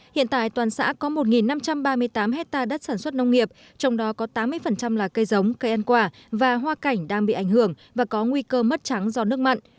hiện tại toàn xã có một năm trăm ba mươi tám hectare đất sản xuất nông nghiệp trong đó có tám mươi là cây giống cây ăn quả và hoa cảnh đang bị ảnh hưởng và có nguy cơ mất trắng do nước mặn